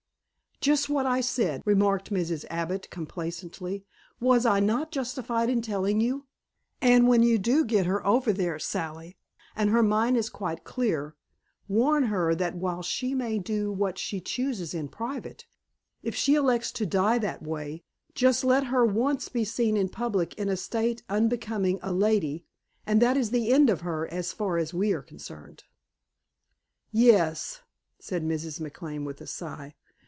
"Just what I said," remarked Mrs. Abbott complacently. "Was I not justified in telling you? And when you get her over there, Sally, and her mind is quite clear, warn her that while she may do what she chooses in private, if she elects to die that way, just let her once be seen in public in a state unbecoming a lady, and that is the end of her as far as we are concerned." "Yes," said Mrs. McLane with a sigh.